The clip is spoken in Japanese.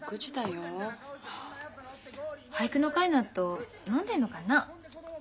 俳句の会のあと飲んでんのかな？